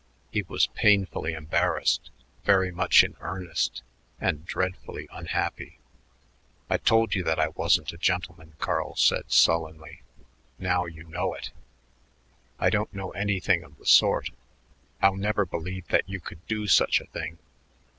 He was painfully embarrassed, very much in earnest, and dreadfully unhappy. "I told you that I wasn't a gentleman," Carl said sullenly. "Now you know it." "I don't know anything of the sort. I'll never believe that you could do such a thing."